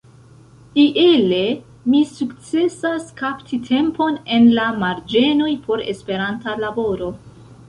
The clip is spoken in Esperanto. Iele mi sukcesas kapti tempon en la marĝenoj por Esperanta laboro.